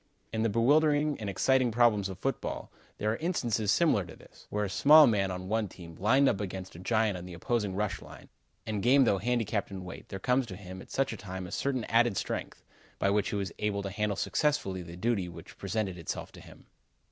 In the bewildering and exciting problems of football, there are instances similar to this, where a small man on one team, lined up against a giant in the opposing rush line, and game though handicapped in weight there comes to him at such a time a certain added strength, by which he was able to handle successfully the duty which presented itself to him.